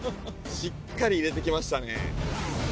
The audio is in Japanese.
しっかり入れてきましたね。